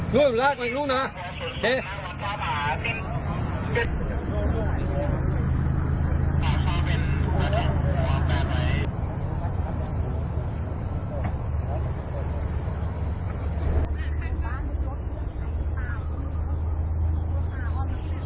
ร่วมรักกันอีกรุ่งนะโอเค